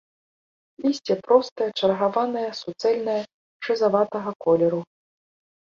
Лісце простае, чаргаванае, суцэльнае, шызаватага колеру.